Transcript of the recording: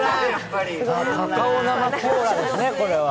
カカオ生コーラですね、これは。